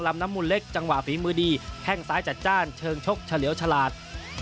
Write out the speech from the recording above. น้ำมุนเล็กจังหวะฝีมือดีแข้งซ้ายจัดจ้านเชิงชกเฉลี่ยวฉลาด